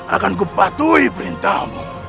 akanku patuhi perintahmu